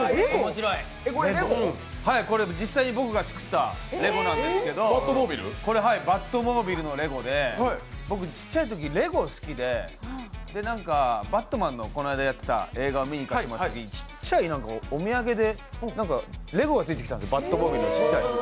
実際に僕が作ったレゴなんですけど、バットモービルのレゴで僕、ちっちゃいとき、レゴが好きで、「バットマン」のこの間やっていた映画を見させていただいたときにちっちゃいお土産でレゴがついてきたんです、バットモービルの小さい。